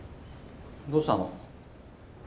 どうしたの？